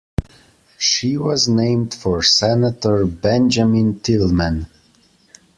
She was named for Senator Benjamin Tillman.